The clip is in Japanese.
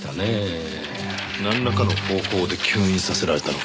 なんらかの方法で吸引させられたのか。